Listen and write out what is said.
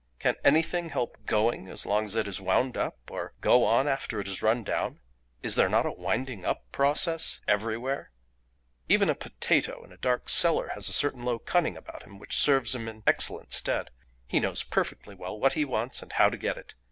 can anything help going as long as it is wound up, or go on after it is run down? Is there not a winding up process everywhere? "Even a potato in a dark cellar has a certain low cunning about him which serves him in excellent stead. He knows perfectly well what he wants and how to get it.